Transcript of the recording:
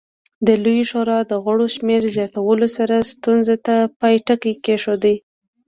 د لویې شورا د غړو شمېر زیاتولو سره ستونزې ته پای ټکی کېښود